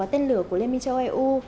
tên lửa của liên minh châu âu eu